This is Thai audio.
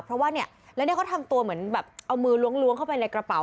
เพราะว่าเนี่ยแล้วเนี่ยเขาทำตัวเหมือนแบบเอามือล้วงเข้าไปในกระเป๋า